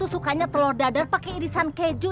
sukanya telur dadar pakai irisan keju